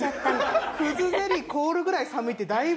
葛ゼリー凍るぐらい寒いってだいぶ。